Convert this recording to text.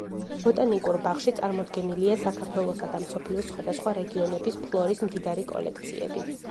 ბოტანიკურ ბაღში წარმოდგენილია საქართველოსა და მსოფლიოს სხვადასხვა რეგიონების ფლორის მდიდარი კოლექციები.